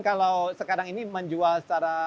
kalau sekarang ini menjual secara